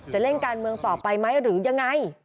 จะเล่นการเมืองต่อไปไหมหรือยังไง